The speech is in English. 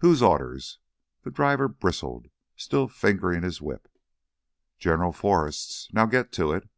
"Whose orders?" The driver bristled, still fingering his whip. "General Forrest's. Now get to it!"